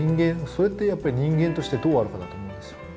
それってやっぱり人間としてどうあるかだと思うんですよ。